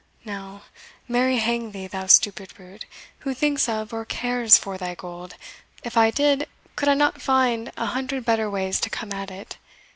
"Now, marry hang thee, thou stupid brute, who thinks of or cares for thy gold? If I did, could I not find an hundred better ways to come at it?